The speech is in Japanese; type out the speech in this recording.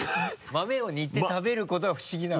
豆を煮て食べることが不思議なの？